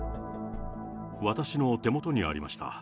私の手元にありました。